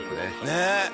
ねえ。